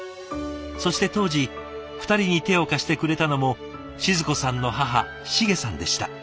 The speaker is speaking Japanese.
そして当時２人に手を貸してくれたのも静子さんの母シゲさんでした。